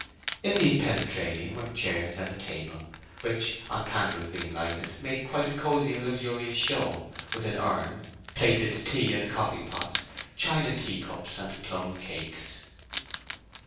In these penetralia were chairs and a table, which, on candles being lighted, made quite a cozy and luxurious show, with an urn, plated tea and coffee pots, china teacups, and plum cakes.